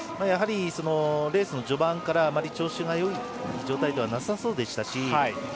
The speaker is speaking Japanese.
やはりレースの序盤からあまり調子がよい状態ではなさそうでしたし。